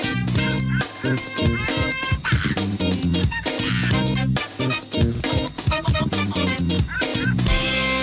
ยินดีด้วยยินดีด้วยครับพี่เอ๋